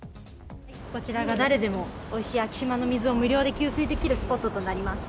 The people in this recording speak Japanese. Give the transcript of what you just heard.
こちらが誰でもおいしい昭島の水を無料で給水できるスポットとなります。